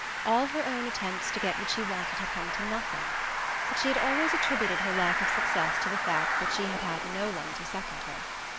All her own attempts to get what she wanted had come to nothing; but she had always attributed her lack of success to the fact that she had had no one to second her.